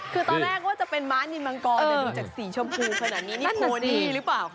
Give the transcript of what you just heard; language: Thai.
คือตอนแรกว่าจะเป็นม้านินมังกรแต่ดูจากสีชมพูขนาดนี้นี่โพดีหรือเปล่าคะ